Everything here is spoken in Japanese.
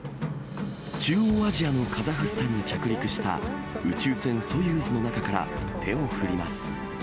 中央アジアのカザフスタンに着陸した宇宙船、ソユーズの中から手を振ります。